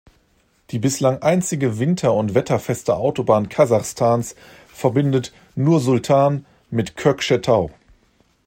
Die bislang einzige winter- und wetterfeste Autobahn Kasachstans verbindet Nursultan mit Kökschetau.